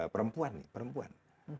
perempuan nih perempuan